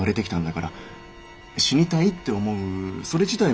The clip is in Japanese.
死にたいって思うそれ自体